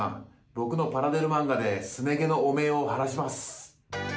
僕のパラデル漫画ですね毛の汚名を晴らします。